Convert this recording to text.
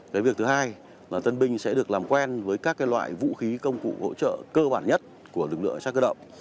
cái việc thứ hai là tân binh sẽ được làm quen với các loại vũ khí công cụ hỗ trợ cơ bản nhất của lực lượng cảnh sát cơ động